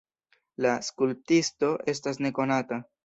La skulptisto estas nekonata.